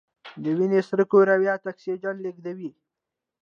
د وینې سره کرویات اکسیجن لیږدوي